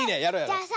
じゃあさ